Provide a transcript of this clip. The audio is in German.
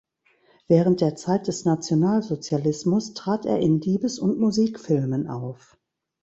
Während der Zeit des Nationalsozialismus trat er in Liebes- und Musikfilmen auf.